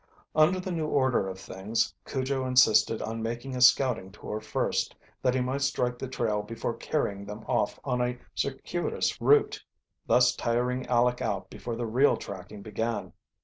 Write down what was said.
Under the new order of things Cujo insisted on making a scouting tour first, that he might strike the trail before carrying them off on a circuitous route, thus tiring Aleck out before the real tracking began.